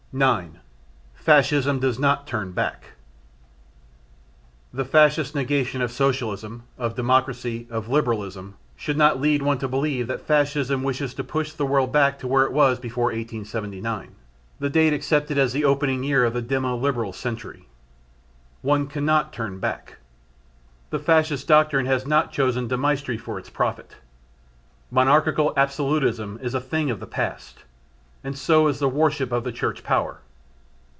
9. Fascism Does Not Turn Back. The Fascist negation of Socialism, of Democracy, of Liberalism, should not lead one to believe that Fascism wishes to push the world back to where it was before 1879, the date accepted as the opening year of the demo Liberal century. One cannot turn back. The Fascist doctrine has not chosen De Maistre for its prophet. Monarchical absolutism is a thing of the past, and so is the worship of church power.